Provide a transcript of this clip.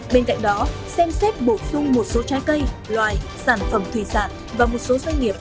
bên cạnh đó xem xét bổ sung một số trái cây loài sản phẩm thủy sản và một số doanh nghiệp